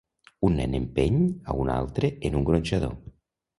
Un nen empeny a un altre en un gronxador.